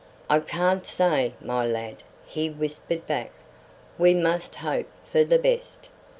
"I can't say, my lad," he whispered back. "We must hope for the best."